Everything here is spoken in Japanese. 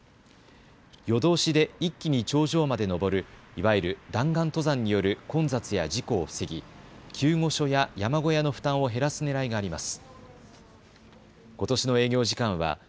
夜通しで一気に頂上まで登るいわゆる弾丸登山による混雑や事故を防ぎ、救護所や山小屋の負担を減らすねらいがあります。